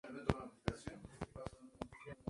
Peter Eötvös